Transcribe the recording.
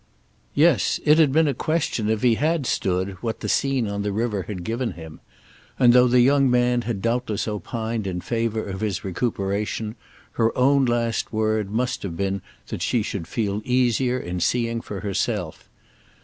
Yes, it had been a question if he had "stood" what the scene on the river had given him, and, though the young man had doubtless opined in favour of his recuperation, her own last word must have been that she should feel easier in seeing for herself.